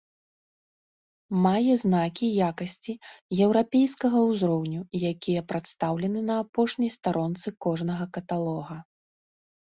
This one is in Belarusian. Мае знакі якасці еўрапейскага ўзроўню, якія прадстаўлены на апошняй старонцы кожнага каталога.